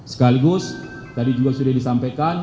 sekaligus tadi juga sudah disampaikan